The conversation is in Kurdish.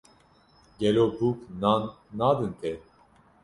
Gelo bûk nan nadin te